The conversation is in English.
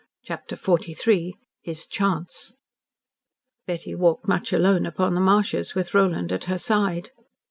CHAPTER XLIII HIS CHANCE Betty walked much alone upon the marshes with Roland at her side.